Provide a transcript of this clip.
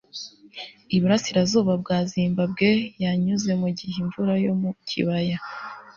iburasirazuba bwa zimbabwe yanyuze mu gihe imvura yo mu kibaya